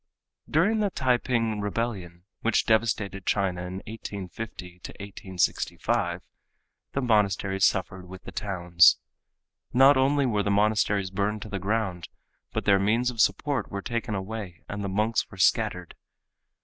_—During the T'ai Ping rebellion, which devastated China in 1850 1865, the monasteries suffered with the towns. Not only were the monasteries burned to the ground, but their means of support were taken away and the monks were scattered.